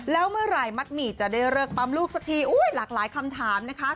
แล้วเมื่อไหร่มัดหมี่จะได้เลิกปั๊มลูกสักทีหลากหลายคำถามนะคะ